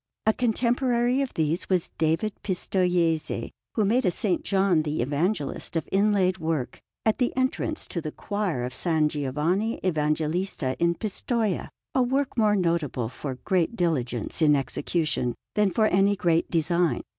A contemporary of these was David Pistoiese, who made a S. John the Evangelist of inlaid work at the entrance to the choir of S. Giovanni Evangelista in Pistoia a work more notable for great diligence in execution than for any great design.